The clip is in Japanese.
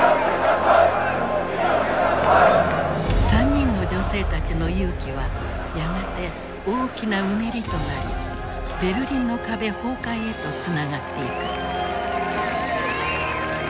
３人の女性たちの勇気はやがて大きなうねりとなりベルリンの壁崩壊へとつながっていく。